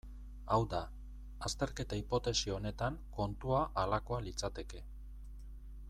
Hau da, azterketa hipotesi honetan kontua halakoa litzateke.